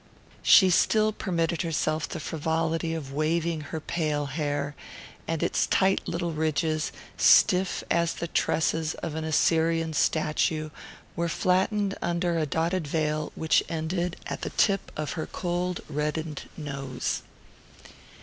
She still permitted herself the frivolity of waving her pale hair, and its tight little ridges, stiff as the tresses of an Assyrian statue, were flattened under a dotted veil which ended at the tip of her cold reddened nose.